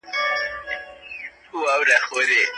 سزا کمزورې ده.